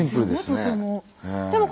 とても。